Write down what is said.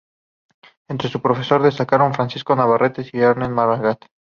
Entre sus profesores destacaron Francisco Narváez y Ernest Maragall.